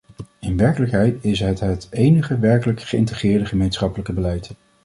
In werkelijkheid is het het enige werkelijk geïntegreerde gemeenschappelijke beleid.